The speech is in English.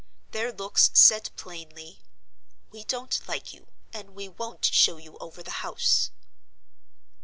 Their looks said plainly, "We don't like you; and we won't show you over the house."